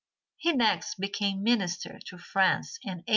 He next became minister to France in 1842.